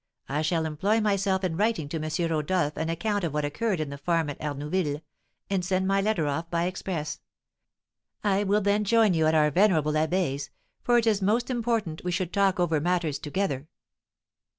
I shall employ myself in writing to M. Rodolph an account of what occurred at the farm at Arnouville, and send my letter off by express; I will then join you at our venerable abbé's, for it is most important we should talk over matters together."